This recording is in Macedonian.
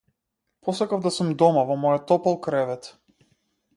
Посакав да сум дома во мојот топол кревет.